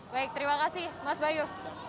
baik terima kasih mas bayu